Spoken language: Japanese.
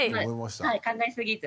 考えすぎず。